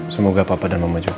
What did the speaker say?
semoga papa dan mama juga